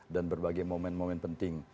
dan berbagai momen momen penting